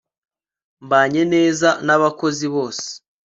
mbanye neza n'abakozi bose